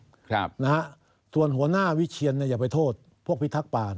นะฮะส่วนหัวหน้าวิเชียรอย่าไปโทษพวกพีทักปะ